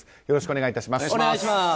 よろしくお願いします。